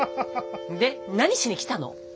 で何しに来たの？